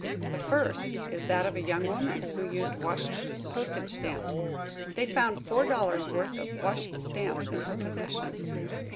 The first is that of a young woman who used washed postage stamps. They found four dollars worth of washed stamps in her possession.